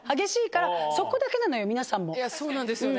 いやそうなんですよね。